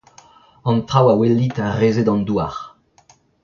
An traoù a welit a-resed an douar.